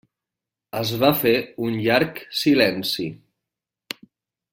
Es va fer un llarg silenci.